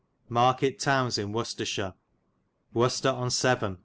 Market townes in Wicestershire. Wicestre on Severn.